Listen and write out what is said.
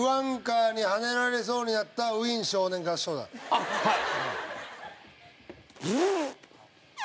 あっはい！